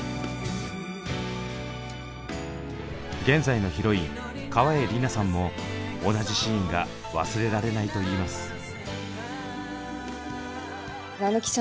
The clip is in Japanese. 現在のヒロイン川栄李奈さんも同じシーンが忘れられないといいます。